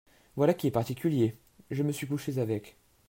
Voilà qui est particulier !… je me suis couché avec…